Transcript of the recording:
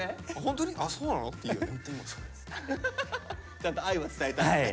ちゃんと愛は伝えたんですね。